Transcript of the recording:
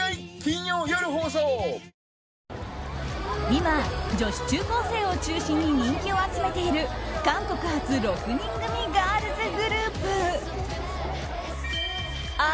今、女子中高生を中心に人気を集めている韓国発６人組ガールズグループＩＶＥ。